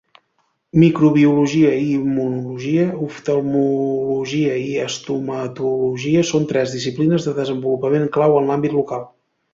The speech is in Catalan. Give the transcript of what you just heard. Microbiologia i Immunologia, Oftalmologia i Estomatologia són tres disciplines de desenvolupament clau en l'àmbit local.